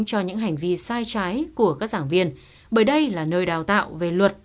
cho những hành vi sai trái của các giảng viên bởi đây là nơi đào tạo về luật